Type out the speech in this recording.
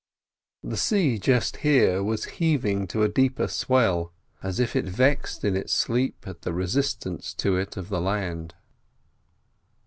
The sea just here was heaving to a deeper swell, as if vexed in its sleep at the resistance to it of the land.